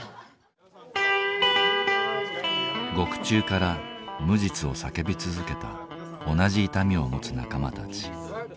獄中から無実を叫び続けた同じ痛みを持つ仲間たち。